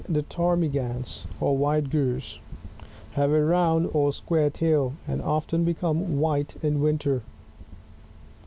The Ptarmigans, or White Grouse, — Lagopvs, — have a round or square tail, and often become white in winter.